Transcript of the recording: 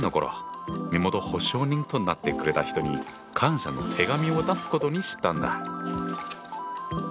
身元保証人となってくれた人に感謝の手紙を出すことにしたんだ。